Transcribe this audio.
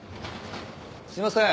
すいません。